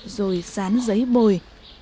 rồi dán giấy bồi